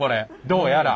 どうやら。